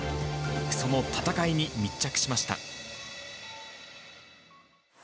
その戦いに密着しました。